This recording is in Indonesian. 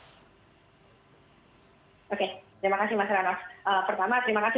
oke terima kasih mas rana